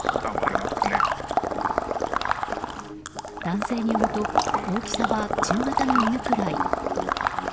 男性によると大きさは中型の犬くらい。